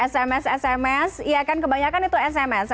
sms sms iya kan kebanyakan itu sms